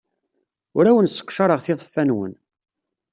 Ur awen-sseqcareɣ tiḍeffa-nwen.